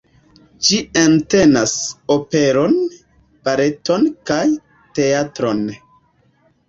Ĝi entenas operon, baleton kaj teatron.